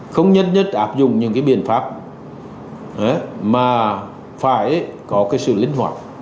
không nhất nhất áp dụng những biện pháp mà phải có sự linh hoạt